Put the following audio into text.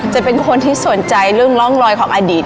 จะเป็นคนที่สนใจเรื่องร่องรอยของอดีต